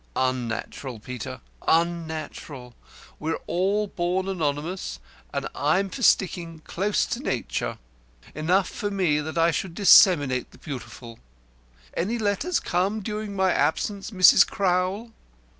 "Unnatural, Peter; unnatural. We're all born anonymous, and I'm for sticking close to Nature. Enough for me that I disseminate the Beautiful. Any letters come during my absence, Mrs. Crowl?"